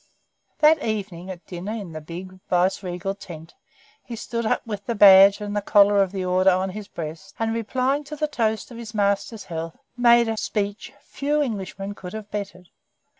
That evening, at dinner in the big Viceregal tent, he stood up with the badge and the collar of the Order on his breast, and replying to the toast of his master's health, made a speech few Englishmen could have bettered.